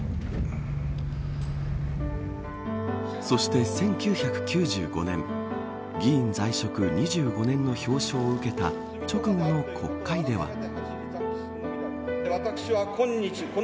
そして、１９９５年議員在職２５年の表彰を受けた直後の国会では。